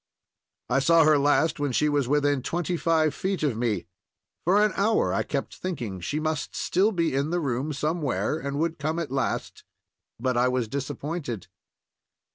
I saw her last when she was within twenty five feet of me. For an hour I kept thinking she must still be in the room somewhere and would come at last, but I was disappointed.